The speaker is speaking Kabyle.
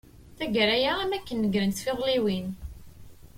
Tagara-a, am wakken negrent tfiḍliwin.